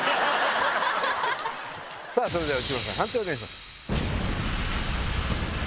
それでは内村さん判定お願いします。